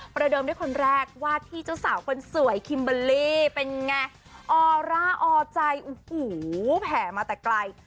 เดิมด้วยคนแรกวาดที่เจ้าสาวคนสวยคิมเบอร์รี่เป็นไงออร่าออใจโอ้โหแผ่มาแต่ไกล